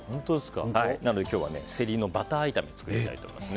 なので、今日はセリのバター炒めを作りたいと思います。